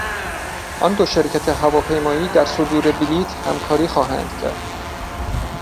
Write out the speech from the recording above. آن دو شرکت هواپیمایی در صدور بلیت همکاری خواهند کرد.